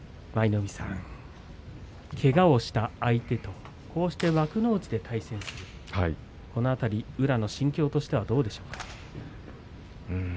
けがをした相手とこうして幕内で対戦するこの辺り、宇良の心境としてはどうでしょう？